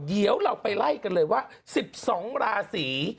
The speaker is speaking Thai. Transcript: เดี๋ยวเราไปไล่กันเลยว่า๑๒ราศี